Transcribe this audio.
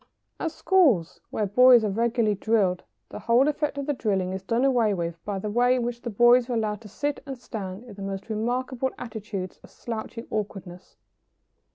] At schools where boys are regularly drilled the whole effect of the drilling is done away with by the way in which the boys are allowed to sit and stand in the most remarkable attitudes of slouching awkwardness.